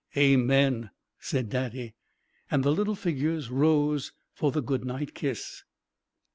"Amen!" said Daddy. And the little figures rose for the good night kiss.